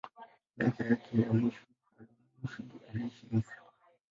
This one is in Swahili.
Miaka yake ya mwisho al-Masudi aliishi Misri.